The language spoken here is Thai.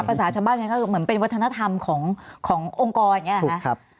ภาษาชาวบ้านเหมือนเป็นวัฒนธรรมขององค์กรอย่างนี้หรอคะ